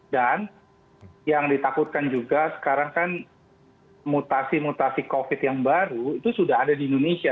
dan yang ditakutkan juga sekarang kan mutasi mutasi covid yang baru itu sudah ada di indonesia